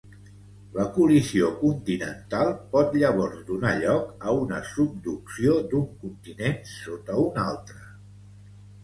La col·lisió continental pot llavors donar lloc a una subducció d'un continent sota un altre.